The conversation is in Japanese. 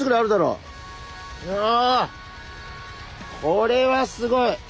これはすごい。